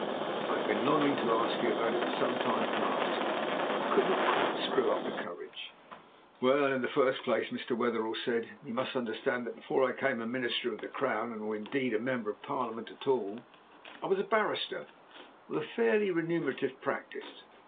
"I have been longing to ask you about it for some time past, but could not quite screw up my courage." "Well, in the first place," Mr. Wetherell said, "you must understand that before I became a Minister of the Crown, or indeed a Member of Parliament at all, I was a barrister with a fairly remunerative practice.